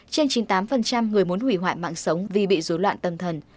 trên chín mươi tám người muốn hủy hoại mạng sống vì bị dối loạn tâm thần